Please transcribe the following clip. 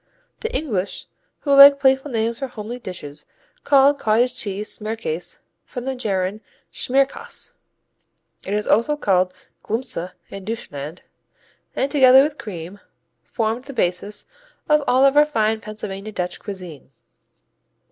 The English, who like playful names for homely dishes, call cottage cheese smearcase from the German Schmierkäse. It is also called Glumse in Deutschland, and, together with cream, formed the basis of all of our fine Pennsylvania Dutch cuisine.